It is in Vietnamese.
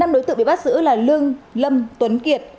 năm đối tượng bị bắt giữ là lương lâm tuấn kiệt